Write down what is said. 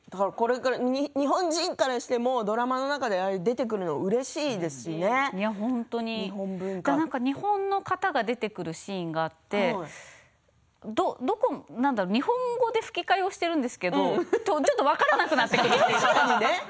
日本人からしてもドラマの中で出てくるのは日本の方が出てくるシーンがあって日本語で吹き替えをしてるんですけど、ちょっと分からなくなってくるんですよ。